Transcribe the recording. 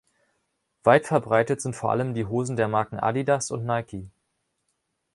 Weit verbreitet sind vor allem die Hosen der Marken Adidas und Nike.